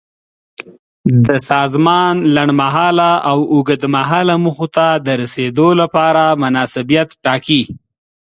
د سازمان لنډمهاله او اوږدمهاله موخو ته د رسیدو لپاره مناسبیت ټاکي.